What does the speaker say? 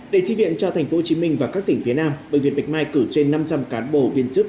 để tri viện cho tp hcm và các tỉnh phía nam bệnh viện bạch mai cử trên năm trăm linh cán bộ viên chức